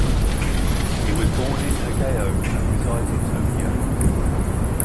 He was born in Ageo and resides in Tokyo.